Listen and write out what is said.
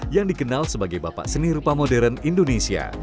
yang dikenal sebagai bapak seni rupa modern indonesia